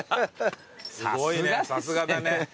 すごいねさすがだね。